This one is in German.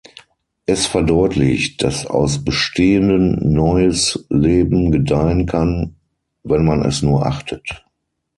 Es verdeutlicht, dass aus Bestehendem neues Leben gedeihen kann, wenn man es nur achtet.